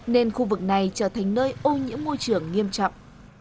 nên khu vực này trở thành nơi ô nhiễm môi trường nghiêm trọng